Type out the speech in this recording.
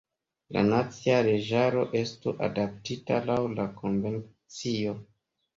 La nacia leĝaro estu adaptita laŭ la konvencio.